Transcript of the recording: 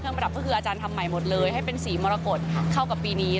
ประดับก็คืออาจารย์ทำใหม่หมดเลยให้เป็นสีมรกฏเข้ากับปีนี้